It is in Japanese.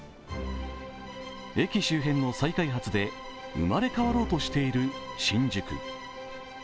駅周辺の再開発で生まれ変わろうとしている新宿。